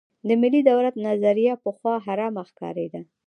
د ملي دولت نظریه پخوا حرامه ښکارېده.